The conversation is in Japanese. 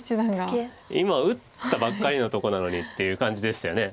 今打ったばっかりのとこなのにっていう感じでしたよね。